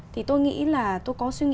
thì tôi nghĩ là tôi có suy nghĩ